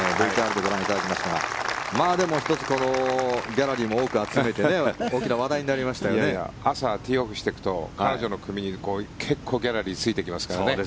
ＶＴＲでご覧いただきましたがでも、１つギャラリーも多く集めて朝、ティーオフしていくと彼女の組に結構ギャラリーがついていきますからね。